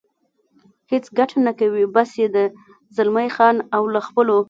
هېڅ ګټه نه کوي، بس یې ده، زلمی خان او له خپلو.